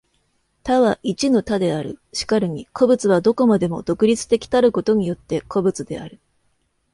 多は一の多である。然るに個物は何処までも独立的たることによって個物である。